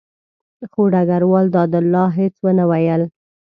خو ډګروال دادالله هېڅ ونه ویل.